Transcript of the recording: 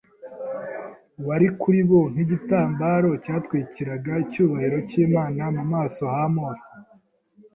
wari kuri bo nk’igitambaro cyatwikiraga icyubahiro cy’Imana mu maso ha Mose.